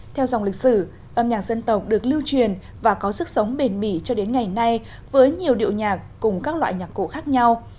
theo dòng lịch sử âm nhạc dân tộc được lưu truyền và có sức sống bền mỉ cho đến ngày nay với nhiều điệu nhạc cùng các loại nhạc cụ khác nhau